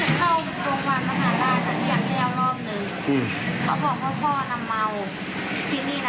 หยุดตานเนี่ย